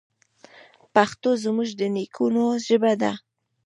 پښتو زموږ د نیکونو ژبه ده.